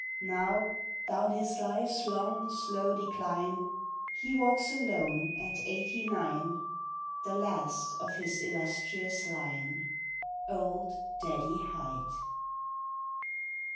Now, down his life's long, slow decline, He walks alone at eighty nine The last of his illustrious line Old Daddy Hight.